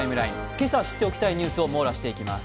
今朝知っておきたいニュースを網羅していきます。